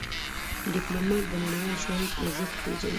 ډيپلومات د نړیوال شهرت ارزښت پېژني.